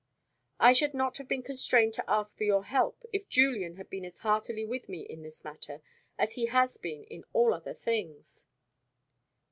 I should not have been constrained to ask for your help, if Julian had been as heartily with me in this matter as he has been, in all other things."